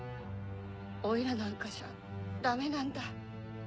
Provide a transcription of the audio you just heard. オイラなんかじゃダメなんだ。